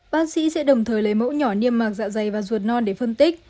bác sĩ sẽ đồng thời lấy mẫu nhỏ niêm mạc dạ dày và ruột non để phân tích